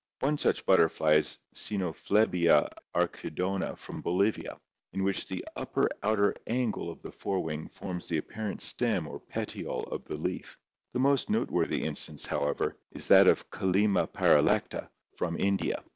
One such butterfly is Cano pkletria archidona from Bolivia, in which the upper outer angle of the fore wing forms the apparent stem or petiole of the leaf; the most noteworthy instance, however, is that of Kallima paralccta from COLORATION AND MIMICRY 243 India (Fig.